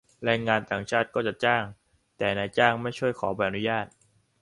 แรงงานต่างชาติก็จะจ้าง แต่นายจ้างไม่ช่วยขอใบอนุญาต